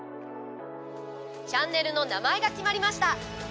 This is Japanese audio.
チャンネルの名前が決まりました。